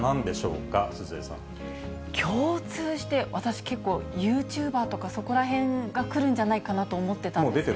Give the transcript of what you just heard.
私、結構ユーチューバーとか、そこらへんがくるんじゃないかなと思ってたんですけど。